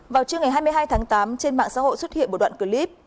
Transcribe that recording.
vào trưa ngày hai mươi hai tháng tám trên mạng xã hội xuất hiện một đoạn clip